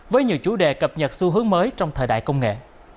với nhiều chủ đề cập nhật xu hướng mới trong thời đại công nghệ